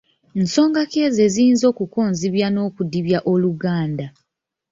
Nsonga ki ezo eziyinza okukonzibya n’okudibya Oluganda?